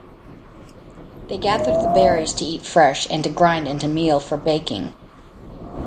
They gathered the berries to eat fresh and to grind into meal for baking.